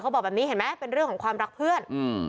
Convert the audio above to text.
บอกแบบนี้เห็นไหมเป็นเรื่องของความรักเพื่อนอืม